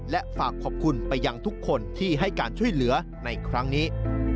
และฝากขอบคุณไปยังทุกคนที่ให้การช่วยเหลือในครั้งนี้